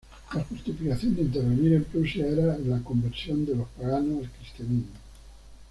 La justificación de intervenir en Prusia era la conversión de los paganos al Cristianismo.